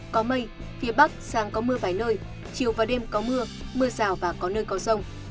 có mây phía bắc sáng có mưa vài nơi chiều và đêm có mưa mưa rào và có nơi có rông